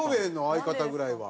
相方ぐらいは。